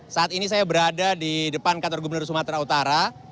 saat ini saya berada di depan kantor gubernur sumatera utara